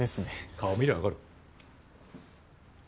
顔見りゃ分かる。